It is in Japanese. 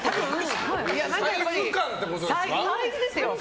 サイズですよ。